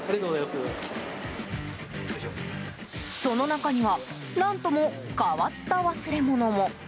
その中には何とも変わった忘れ物も。